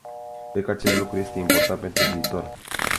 Cred că acest lucru este important pentru viitor.